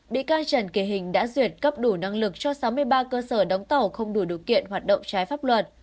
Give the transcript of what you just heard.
bị can trần kỳ hình đã duyệt cấp đủ năng lực cho sáu mươi ba cơ sở đóng tàu không đủ điều kiện hoạt động trái pháp luật